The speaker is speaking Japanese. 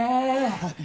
はい。